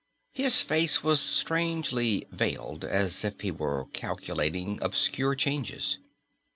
His face was strangely veiled, as if he were calculating obscure changes.